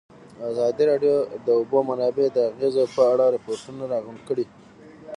ازادي راډیو د د اوبو منابع د اغېزو په اړه ریپوټونه راغونډ کړي.